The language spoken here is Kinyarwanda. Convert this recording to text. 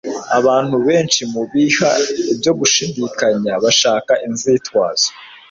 Abantu benshi mu biha ibyo gushidikanya bashaka inzitwazo